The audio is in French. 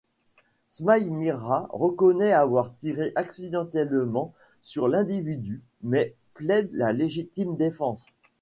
Smail Mira reconnait avoir tiré accidentellement sur l'individu mais plaide la légitime défense.